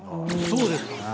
そうですか。